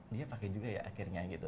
dia pakai juga ya akhirnya gitu